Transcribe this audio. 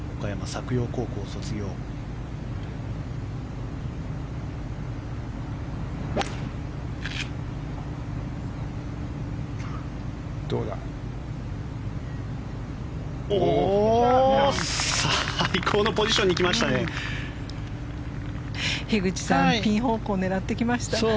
最高のポジションに来ましたね。